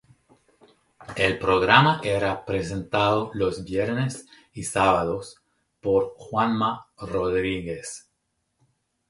El programa era presentado los viernes y sábados por Juanma Rodríguez.